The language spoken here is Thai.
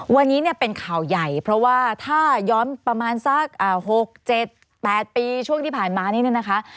วันนี้เนี่ยเป็นข่าวใหญ่เพราะว่าถ้าย้อนประมาณสัก๖๗๘ปีช่วงที่ผ่านมานี้เนี่ยนะคะ